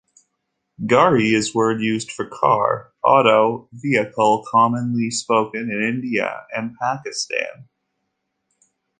Gari is word used for Car, Auto, Vehicle commonly spoken in India and Pakistan.